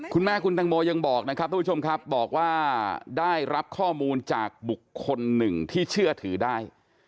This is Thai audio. คุณแม่คุณตังโมยังบอกนะครับทุกผู้ชมครับบอกว่าได้รับข้อมูลจากบุคคลหนึ่งที่เชื่อถือได้